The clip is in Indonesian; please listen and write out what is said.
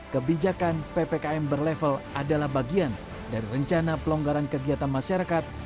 kebijakan ppkm berlevel adalah bagian dari rencana pelonggaran kegiatan masyarakat